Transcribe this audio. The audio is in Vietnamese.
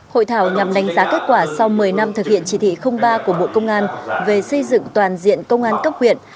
hội thảo nhằm đánh giá kết quả sau một mươi năm thực hiện chỉ thị ba của bộ công an về xây dựng toàn diện công an cấp huyện